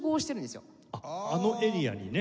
あのエリアにね。